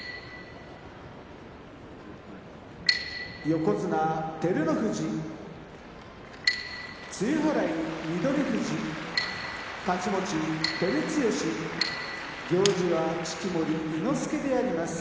横綱照ノ富士露払い翠富士太刀持ち照強行司は式守伊之助であります。